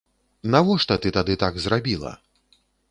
Навошта ты тады так зрабіла?